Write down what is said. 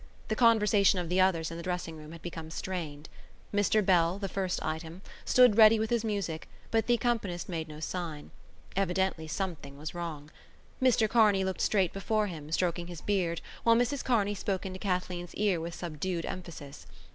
The conversation of the others in the dressing room had become strained. Mr Bell, the first item, stood ready with his music but the accompanist made no sign. Evidently something was wrong. Mr Kearney looked straight before him, stroking his beard, while Mrs Kearney spoke into Kathleen's ear with subdued emphasis.